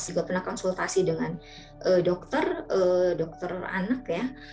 saya pernah konsultasi dengan dokter dokter anak